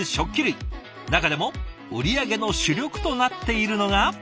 中でも売り上げの主力となっているのが。